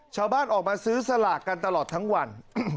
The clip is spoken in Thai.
ชาวบ้านออกมาซื้อสลากกันตลอดทั้งวัน